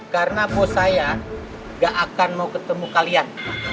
karena bos saya gak akan mau ketemu kalian